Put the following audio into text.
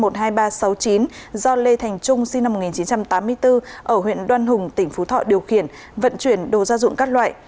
do lê thành trung sinh năm một nghìn chín trăm tám mươi bốn ở huyện đoan hùng tỉnh phú thọ điều khiển vận chuyển đồ gia dụng các loại